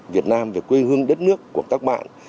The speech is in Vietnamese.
việt nam về quê hương đất nước của các bạn